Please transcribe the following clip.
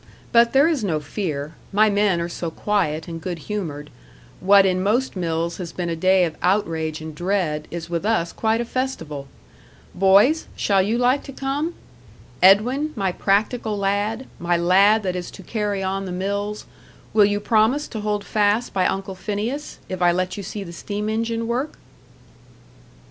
But there is no fear my men are so quiet and good humoured. What in most mills has been a day of outrage and dread, is with us quite a festival. Boys, shall you like to come? Edwin, my practical lad, my lad that is to carry on the mills will you promise to hold fast by Uncle Phineas, if I let you see the steam engine work?"